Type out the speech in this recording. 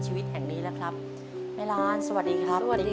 ชีวิตแห่งนี้แหละครับแม่ลานสวัสดีครับสวัสดีครับ